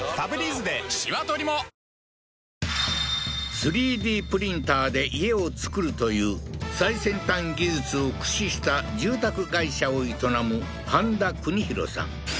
３Ｄプリンターで家を造るという最先端技術を駆使した住宅会社を営む飯田國大さん